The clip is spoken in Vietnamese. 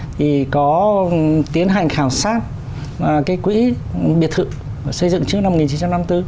thì có tiến hành khảo sát cái quỹ biệt thự xây dựng trước năm một nghìn chín trăm năm mươi bốn